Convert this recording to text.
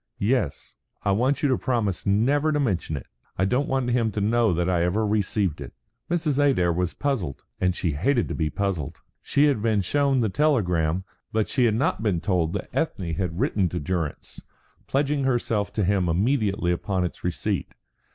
"Yes. I want you to promise never to mention it. I don't want him to know that I ever received it." Mrs. Adair was puzzled, and she hated to be puzzled. She had been shown the telegram, but she had not been told that Ethne had written to Durrance, pledging herself to him immediately upon its receipt.